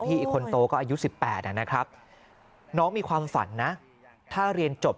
อีกคนโตก็อายุ๑๘นะครับน้องมีความฝันนะถ้าเรียนจบ